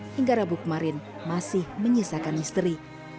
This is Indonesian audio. hingga rabu kemarin masih menyisakan misteri